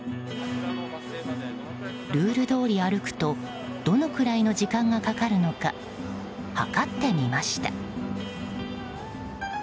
ルールどおり歩くとどのくらいの時間がかかるのか計ってみました。